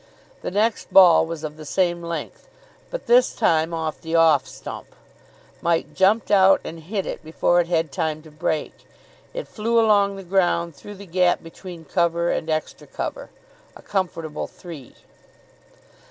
The next ball was of the same length, but this time off the off stump. Mike jumped out, and hit it before it had time to break. It flew along the ground through the gap between cover and extra cover, a comfortable three.